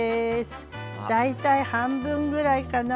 大体半分ぐらいかな